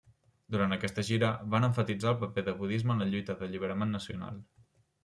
Durant aquesta gira, van emfatitzar el paper del budisme en la lluita d'alliberament nacional.